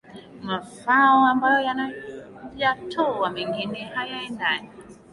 mafao ambayo wanayatoa mengine hayaendani